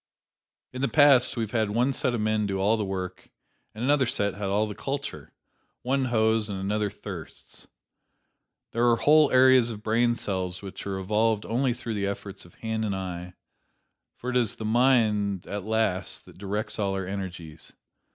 In the past we have had one set of men do all the work, and another set had all the culture: one hoes and another thirsts. There are whole areas of brain cells which are evolved only through the efforts of hand and eye, for it is the mind at last that directs all our energies.